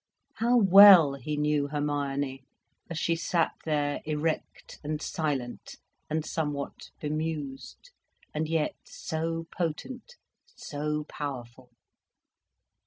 How well he knew Hermione, as she sat there, erect and silent and somewhat bemused, and yet so potent, so powerful!